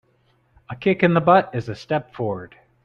A kick in the butt is a step forward.